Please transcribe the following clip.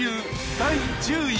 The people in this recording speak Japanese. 第１０位。